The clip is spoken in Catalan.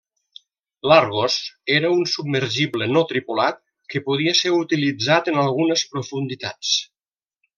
L'Argos era un submergible no tripulat que podia ser utilitzat en algunes profunditats.